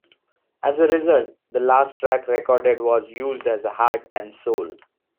As a result, the last track recorded was used as "Heart and Soul".